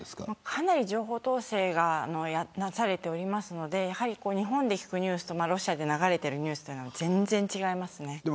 かなり情報統制がなされているので日本とロシアで流れているニュースは全然違います。